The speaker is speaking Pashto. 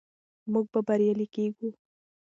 موږ به بریالي کیږو.